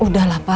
udah lah pak